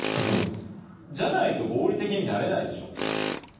じゃないと合理的になれないでしょう。